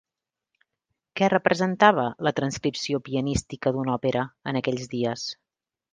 Què representava la transcripció pianística d'una òpera en aquells dies?